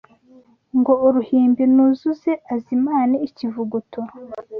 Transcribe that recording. Ngo uruhimbi nuzuze Azimane ikivuguto